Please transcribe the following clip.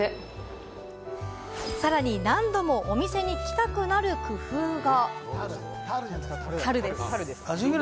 さらに、何度もお店にきたくなる工夫が。